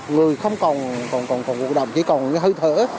người không còn vụ động chỉ còn hơi thở